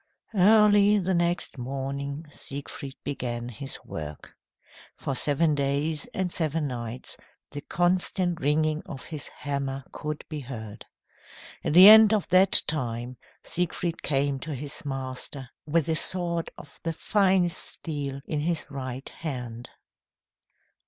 Early the next morning, Siegfried began his work. For seven days and seven nights the constant ringing of his hammer could be heard. At the end of that time Siegfried came to his master with a sword of the finest steel in his right hand.